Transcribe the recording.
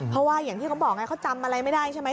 เพราะว่าอย่างที่เขาบอกไงเขาจำอะไรไม่ได้ใช่ไหม